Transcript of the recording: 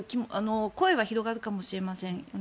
声は広がるかもしれませんよね。